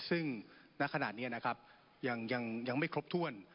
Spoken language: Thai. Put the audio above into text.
ซึ่งณขณะนี้นะครับยังไม่ครบถ้วน